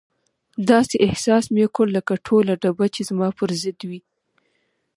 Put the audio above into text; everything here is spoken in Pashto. داسې احساس مې وکړ لکه ټوله ډبه چې زما پر ضد وي.